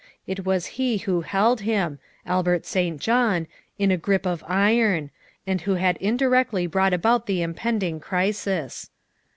It was he who held him Albert St. John in a grip of iron, and who had indirectly brought about the impending crisis.